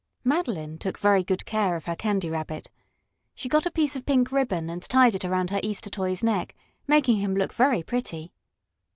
Madeline took very good care of her Candy Rabbit. She got a piece of pink ribbon and tied it around her Easter toy's neck, making him look very pretty.